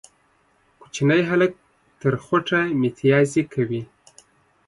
کوچنی هلک تر خوټه ميتيازې کوي